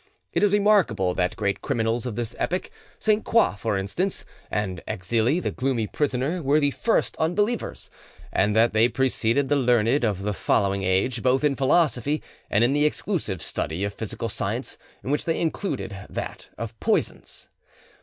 It is remarkable that great criminals of this epoch, Sainte Croix for instance, and Exili, the gloomy poisoner, were the first unbelievers, and that they preceded the learned of the following age both, in philosophy and in the exclusive study of physical science, in which they included that of poisons.